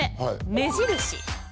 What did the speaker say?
目印？